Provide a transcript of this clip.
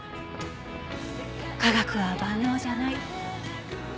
科学は万能じゃない。